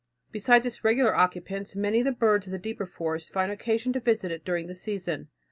Besides its regular occupants, many of the birds of the deeper forest find occasion to visit it during the season.